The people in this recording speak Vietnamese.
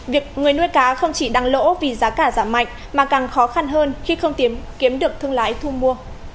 việc người nuôi cá không chỉ đăng lỗ vì giá cả giảm mạnh mà càng khó khăn hơn khi không tìm kiếm được thương lái thu mua